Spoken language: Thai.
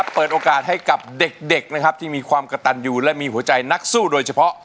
เปิดโอกาสให้เด็กมีหัวใจนักสู้โดยเฉพาะ